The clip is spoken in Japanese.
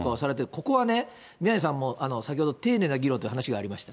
ここはね、宮根さんも先ほど、丁寧な議論という話がありました。